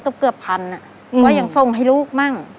เกือบพันก็ยังส่งให้ลูกมั่ง